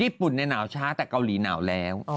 ปุ่นในหนาวช้าแต่เกาหลีหนาวแล้ว